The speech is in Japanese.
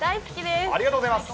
ありがとうございます。